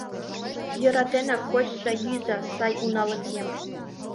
Йӧратенак кочса-йӱза, сай уналакем.